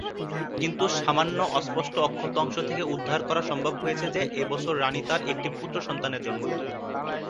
কিন্তু সামান্য অস্পষ্ট অক্ষত অংশ থেকে উদ্ধার করা সম্ভব হয়েছে যে, এই বছর তার রাণী একটি পুত্রসন্তানের জন্ম দেন।